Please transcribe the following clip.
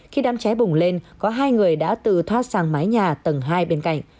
khi đám cháy bùng lên có hai người đã tự thoát sang mái nhà tầng hai bên cạnh